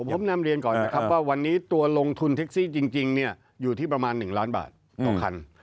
ผมนำเรียนก่อนนะครับว่าวันนี้ตัวลงทุนเท็กซี่จริงอยู่ที่ประมาณ๑ล้านบาทต่อคัน